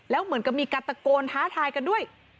แล้วเหมือนกับมีการตะโกนท้าทายกันด้วย